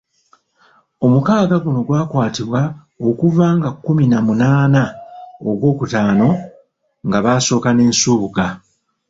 Omukaaga guno gwakwatibwa okuva nga kkumi na munaana Ogwokutaano nga baasooka ne Nsubuga.